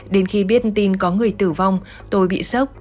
đến khi biết tin có người tử vong tôi bị sốc